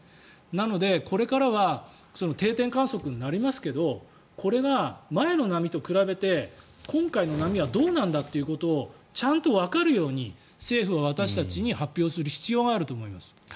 なので、これからは定点観測になりますけどこれが前の波と比べて今回の波はどうなんだってことをちゃんとわかるように政府は私たちに発表する必要があると思います。